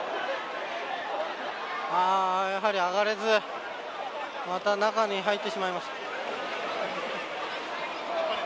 やはり上がれずまた中に入ってしまいました。